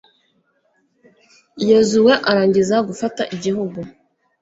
yozuwe arangiza gufata igihugu